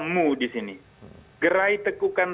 mu disini gerai tekukan